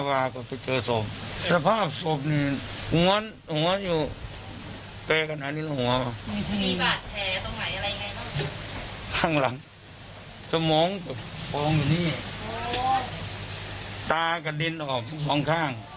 ตากระดินออกทั้งสองข้าง